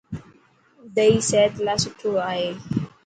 دئي صحت لاءِ سٺو آهي.